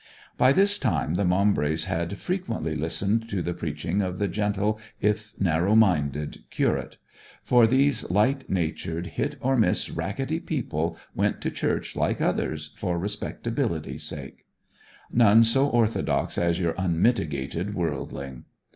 By this time the Maumbrys had frequently listened to the preaching of the gentle if narrow minded curate; for these light natured, hit or miss, rackety people went to church like others for respectability's sake. None so orthodox as your unmitigated worldling.